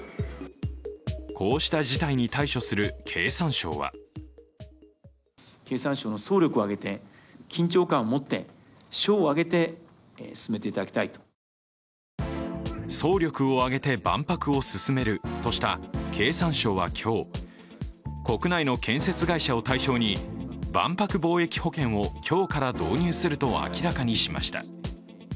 こうした事態に対処する経産省は総力を挙げて万博を進めるとした経産省は今日国内の建設会社を対象に万博貿易保険を今日から導入すると明らかにしました。